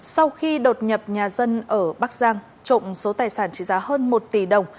sau khi đột nhập nhà dân ở bắc giang trộm số tài sản trị giá hơn một tỷ đồng